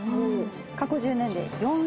過去１０年で４勝。